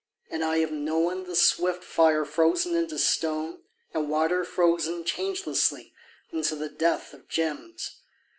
And I have known The swift fire frozen into stone, And water frozen changelessly Into the death of gems.